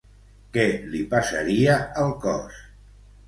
Què li passaria al cos?